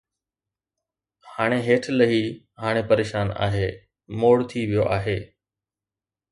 ھاڻي ھيٺ لھي، ھاڻي پريشان آھي، موڙ ٿي ويو آھي